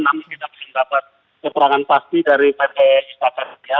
namun kita masih mendapat keperangan pasti dari pdi istaka karya